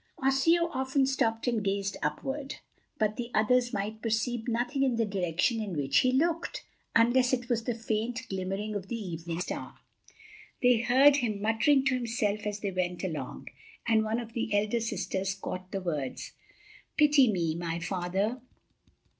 Osseo often stopped and gazed upward; but the others could perceive nothing in the direction in which he looked, unless it was the faint glimmering of the evening star. They heard him muttering to himself as they went along, and one of the elder sisters caught the words: "Pity me, my father!"